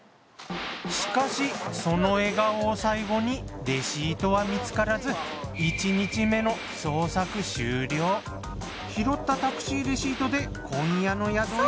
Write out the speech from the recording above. しかしその笑顔を最後にレシートは見つからず拾ったタクシーレシートで今夜の宿へ。